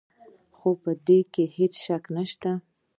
خو په دې کې هېڅ شک نشته.